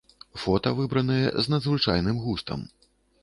Фота выбраныя з надзвычайным густам.